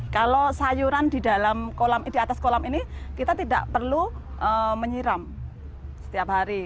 kalau sayuran di atas kolam ini kita tidak perlu menyiram setiap hari